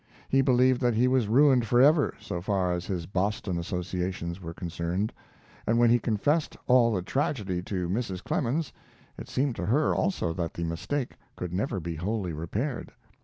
He believed that he was ruined forever, so far as his Boston associations were concerned; and when he confessed all the tragedy to Mrs. Clemens it seemed to her also that the mistake could never be wholly repaired.